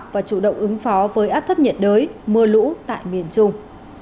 và chủ động ứng phó với áp thấp nhiệt đới mưa lũ tại miền trung